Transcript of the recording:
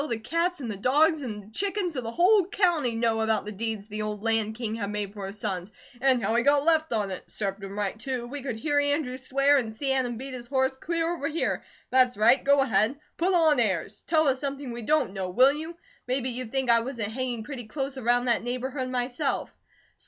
The cats, and the dogs, and the chickens of the whole county know about the deeds the old Land King had made for his sons; and how he got left on it. Served him right, too! We could here Andrew swear, and see Adam beat his horse, clear over here! That's right! Go ahead! Put on airs! Tell us something we don't KNOW, will you? Maybe you think I wasn't hanging pretty close around that neighbourhood, myself!"